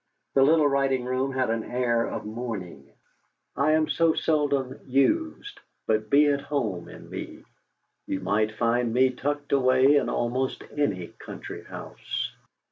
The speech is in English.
The little writing room had an air of mourning: "I am so seldom used; but be at home in me; you might find me tucked away in almost any country house!"